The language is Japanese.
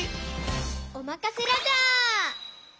おまかせラジャー！